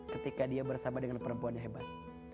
ketika dia bersama dengan perempuan yang hebat